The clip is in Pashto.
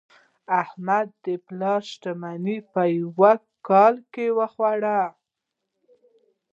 احمد د پلار شتمني په یوه کال کې وخوړه.